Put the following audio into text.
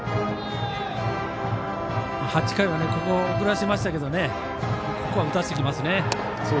８回はここ送らせましたけどここは打たせてきますね。